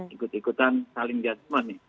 ikut ikutan saling judgment nih